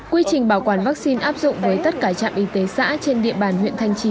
quy trình bảo quản vaccine áp dụng với tất cả trạm y tế xã trên địa bàn huyện thanh trì